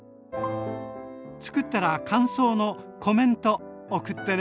つくったら感想のコメント送ってね！